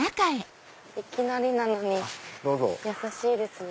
いきなりなのに優しいですね。